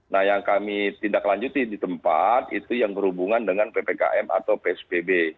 nah yang kami tindak lanjuti di tempat itu yang berhubungan dengan ppkm atau psbb